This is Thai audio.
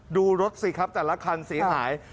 ดูรถสิครับแต่ละคันเสียหาย